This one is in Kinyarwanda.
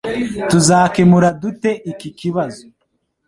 Tuzakemura dute iki kibazo